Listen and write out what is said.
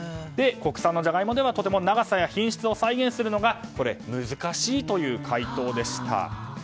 国産のジャガイモではとても長さや品質を再現するのが難しいという回答でした。